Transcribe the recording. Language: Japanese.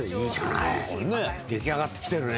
出来上がって来てるね。